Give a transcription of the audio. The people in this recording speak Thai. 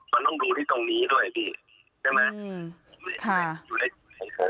มันต้องรู้ที่ตรงนี้ด้วยดิได้ไหมอยู่ในสิ่งของผม